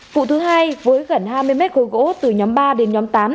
vụ thứ hai với gần hai mươi mét khối gỗ từ nhóm ba đến nhóm tám